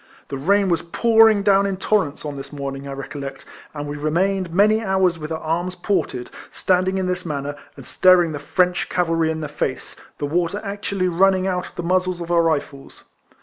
The rain was pouring down in torrents on this morning I recollect, and we remained many hours with our arms ported, standing EIFLEMAN HARRIS. 171 in this manner, and staring the French cavalry in the face, the water actually run ning out of the muzzles of our rifles.